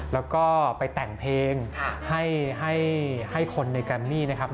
แล้วก็ไปแต่งเพลงให้คนในแกรมมี่นะครับ